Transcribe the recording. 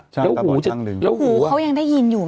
แล้วหูเขายังได้ยินอยู่ไหม